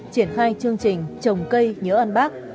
triển khai chương trình trồng cây nhớ ăn bác